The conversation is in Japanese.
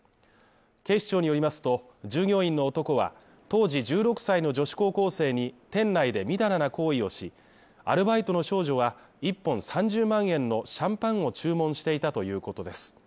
警視庁によりますと、従業員の男は当時１６歳の女子高校生に、店内でみだらな行為をし、アルバイトの少女は１本３０万円のシャンパンを注文していたということです。